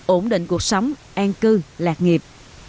ổn định cuộc sống an cư lạc nghiệp